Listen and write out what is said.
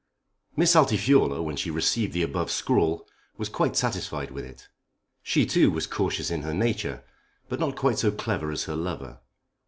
Miss Altifiorla when she received the above scrawl was quite satisfied with it. She, too, was cautious in her nature, but not quite so clever as her lover.